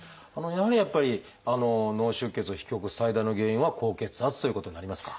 やっぱり脳出血を引き起こす最大の原因は高血圧ということになりますか？